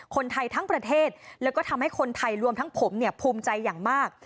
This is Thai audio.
คนไทยทั้งประเทศแล้วก็ทำให้คนไทยรวมทั้งผมเนี่ยภูมิใจอย่างมาก